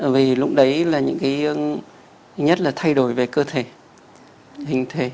vì lúc đấy là những cái nhất là thay đổi về cơ thể hình thể